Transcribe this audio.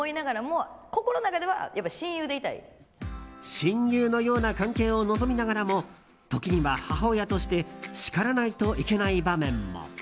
親友のような関係を望みながらも時には母親として叱らないといけない場面も。